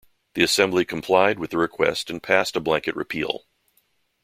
The assembly complied with the request and passed a blanket repeal.